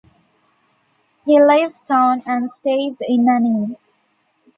He leaves town and stays in an inn.